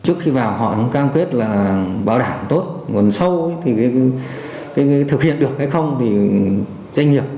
trước khi vào họ có cam kết là bảo đảm tốt còn sâu thì thực hiện được hay không thì doanh nghiệp